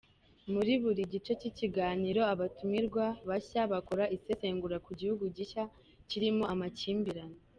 Muri buri gice cy’ikiganiro, abatumirwa bashya bakora isesengura ku gihugu gishya kirimo amakimbirane.